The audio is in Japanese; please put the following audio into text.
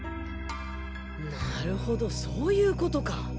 なるほどそういうことか。